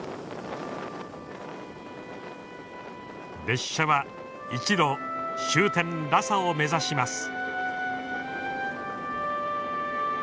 列車は路終点ラサを目指します。